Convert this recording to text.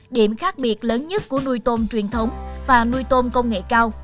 điểm khác biệt lớn nhất của nuôi tôm truyền thống và nuôi tôm công nghệ cao